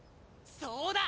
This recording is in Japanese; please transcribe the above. そうだ！